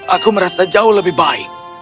aku merasa jauh lebih baik